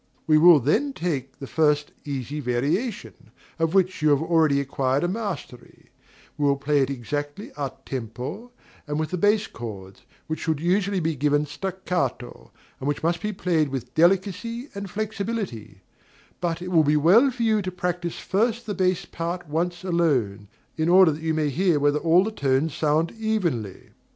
We will then take the first easy variation, of which you have already acquired a mastery: we will play it exactly a tempo and with the bass chords, which should usually be given staccato, and which must be played with delicacy and flexibility; but it will be well for you to practise first the bass part once alone, in order that you may hear whether all the tones sound evenly.